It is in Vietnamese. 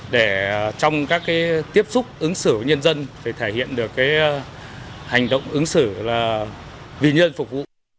để trong các tiếp xúc ứng xử của nhân dân phải thể hiện được hành động ứng xử là vì nhân phục vụ